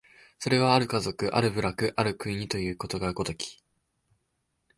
それは或る家族、或る部落、或る国というが如き、